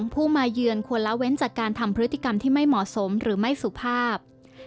ผู้มาเยือนควรละเว้นจากการทำพฤติกรรมที่ไม่เหมาะสมหรือไม่สุภาพ